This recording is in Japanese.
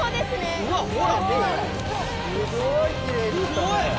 すごい！